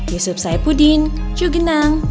yusuf saipudin cugenang